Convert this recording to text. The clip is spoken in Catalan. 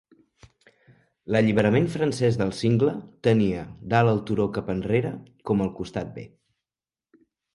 L'alliberament francès del single tenia "dalt el turó cap enrere" com el costat B.